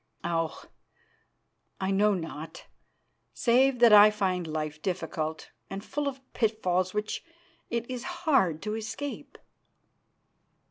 "Oh! I know not, save that I find life difficult, and full of pitfalls which it is hard to escape."